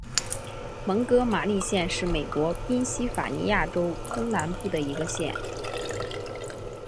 蒙哥马利县是美国宾夕法尼亚州东南部的一个县。